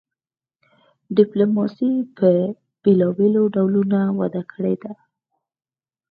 ډیپلوماسي په بیلابیلو ډولونو وده کړې ده